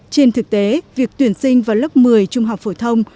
trên thực tế việc tuyển sinh vào lớp một mươi trung học phổ thông